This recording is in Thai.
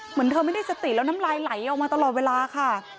เหมือนเธอไม่ได้สติแล้วน้ำลายไหลออกมาตลอดเวลาค่ะ